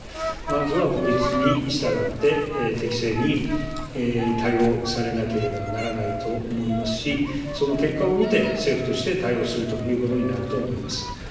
まずは法律に従って、適正に対応されなければならないと思いますし、その結果を見て、政府として対応するということになると思います。